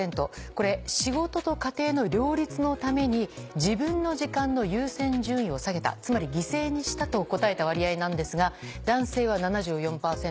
これ仕事と家庭の両立のために自分の時間の優先順位を下げたつまり犠牲にしたと答えた割合なんですが男性は７４％。